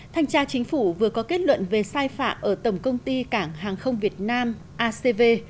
thanh tra chính phủ vừa có kết luận về sai phạm ở tổng công ty cảng hàng không việt nam acv